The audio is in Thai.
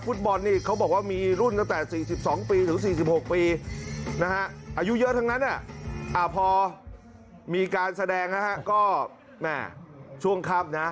ฟุตบอลนี่เขาบอกว่ามีรุ่นตั้งแต่๔๒ปีถึง๔๖ปีนะฮะอายุเยอะทั้งนั้นพอมีการแสดงนะฮะก็แม่ช่วงค่ำนะ